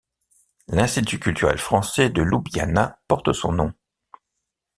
L’institut culturel français de Ljubljana porte son nom.